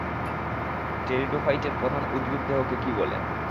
টেরিডোফাইটের প্রধান উদ্ভিদদেহকে কী বলে?